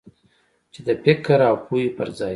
چې د فکر او پوهې پر ځای.